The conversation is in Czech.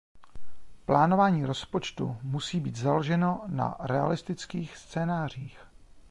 Plánování rozpočtu musí být založeno na realistických scénářích.